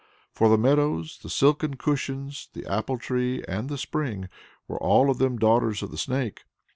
For the meadow, the silken cushions, the apple tree, and the spring, were all of them daughters of the Snake.